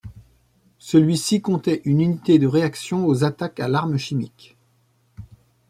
Celui-ci comptait une unité de réaction aux attaques à l'arme chimique.